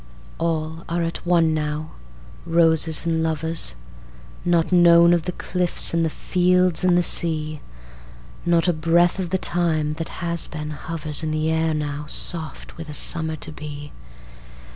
All are at one now, roses and lovers, Not known of the cliffs and the fields and the sea. Not a breath of the time that has been hoversIn the air now soft with a summer to be.